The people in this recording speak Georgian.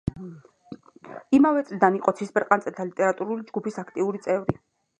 იმავე წლიდან იყო „ცისფერყანწელთა“ ლიტერატურული ჯგუფის აქტიური წევრი.